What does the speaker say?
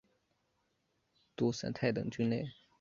毒伞肽等菌类。